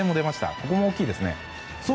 ここも大きいですね。